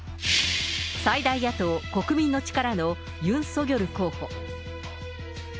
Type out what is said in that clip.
最大野党・国民の力のユン・ソギョル候補。